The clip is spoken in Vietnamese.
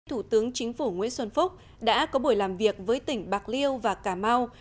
thủ tướng chính phủ nguyễn xuân phúc đã có buổi làm việc với tỉnh bạc liêu và cà mau